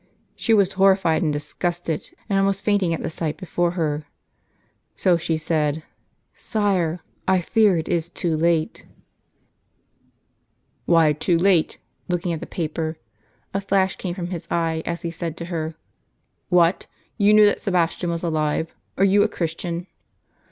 She was horrified and disgusted, and almost fainting at the sight befoi'e her; so she said, "Sire, I fear it is too late !" "Why too late?" looking at the paper. A flash came from his eye, as he said to her: "What! You knew that Sebastian was alive ? Are you a Christian